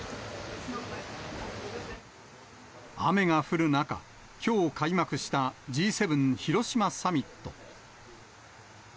雨が降る中、きょう開幕したＧ７広島サミット。